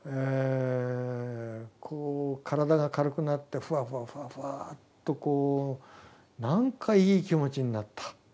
こう体が軽くなってフワフワフワフワーッとこうなんかいい気持ちになった。